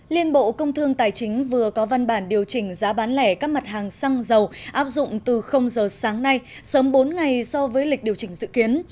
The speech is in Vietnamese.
liên bộ công thương tài chính vừa có văn bản điều chỉnh giá bán lẻ các mặt hàng xăng dầu áp dụng từ giờ sáng nay sớm bốn ngày so với lịch điều chỉnh dự kiến